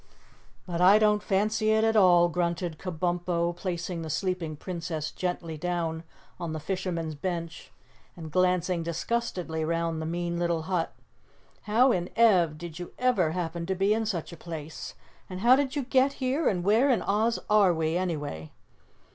"But I don't fancy it at all," grunted Kabumpo, placing the sleeping Princess gently down on the fisherman's bench and glancing disgustedly round the mean little hut. "How in Ev did you ever happen to be in such a place, how did you get here and where in Oz are we, anyway?"